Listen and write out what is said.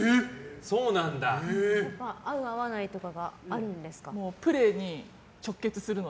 合う合わないとかがあるんですか？